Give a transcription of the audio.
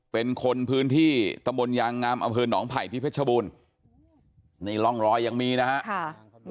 เป็นคนพื้นที่ตะมนต์ยางงามอำเภอหนองไผ่ที่เพชรบูรณ์นี่ร่องรอยยังมีนะฮะ